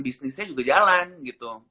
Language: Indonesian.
bisnisnya juga jalan gitu